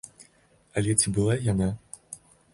Але ці была яна?